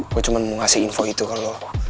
gue cuma mau ngasih info itu kalau